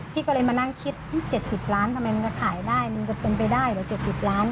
พี่ก็เลยมานั่งคิด๗๐ล้านทำไมมันจะขายได้มันจะเป็นไปได้เหรอ๗๐ล้าน